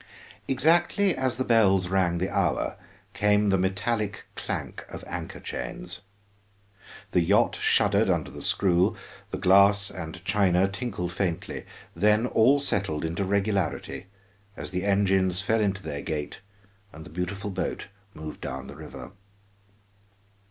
Exactly as the bells rang the hour came the metallic clank of anchor chains. The yacht shuddered under the screw, the glass and china tinkled faintly, then all settled into regularity as the engines fell into their gait and the beautiful boat moved down the river.